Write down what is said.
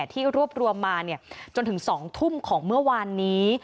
ที่รวบรวมมาจนถึง๒ทุ่มของเมื่อวานนี้